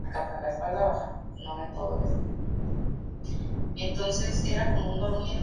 Los fans mexicanos hicieron un muy sentido "show de despedida".